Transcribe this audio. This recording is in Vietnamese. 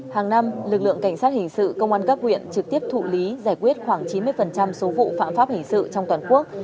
hàng năm lực lượng cảnh sát hình sự công an các huyện trực tiếp thụ lý giải quyết khoảng chín mươi số vụ phạm pháp hình sự trong toàn quốc